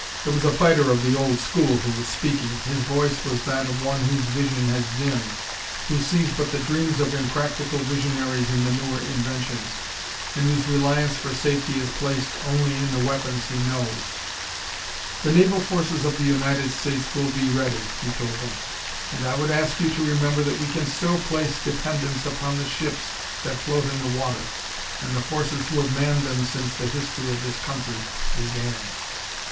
It was a fighter of the old school who was speaking; his voice was that of one whose vision has dimmed, who sees but the dreams of impractical visionaries in the newer inventions, and whose reliance for safety is placed only in the weapons he knows. "The naval forces of the United States will be ready," he told them, "and I would ask you to remember that we can still place dependence upon the ships that float in the water, and the forces who have manned them since the history of this country began."